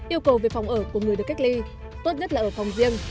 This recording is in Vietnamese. yêu cầu về phòng ở của người được cách ly tốt nhất là ở phòng riêng